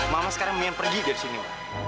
mama sekarang ingin pergi dari sini